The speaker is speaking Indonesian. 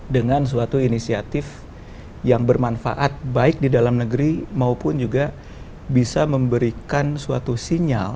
dengan suatu inisiatif yang bermanfaat baik di dalam negeri maupun juga bisa memberikan suatu sinyal